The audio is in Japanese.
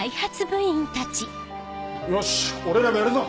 よし俺らもやるぞ！